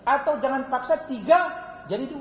atau jangan paksa tiga jadi dua